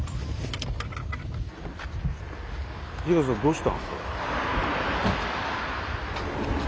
土方さんどうした？